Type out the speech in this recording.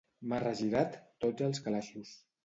M'ha regirat tots els calaixos.